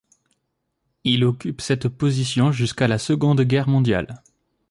Il occupe cette position jusqu'à la Seconde Guerre mondiale.